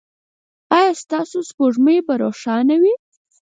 ایا ستاسو سپوږمۍ به روښانه وي؟